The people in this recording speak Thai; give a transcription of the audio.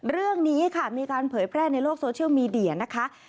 เรื่องนี้ค่ะมีการเผยแพร่ในโลกโซเชียลมีเดียนะคะ